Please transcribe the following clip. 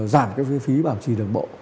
giảm cái phí bảo trì đường bộ